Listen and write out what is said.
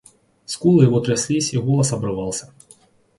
Скулы его тряслись, и голос обрывался.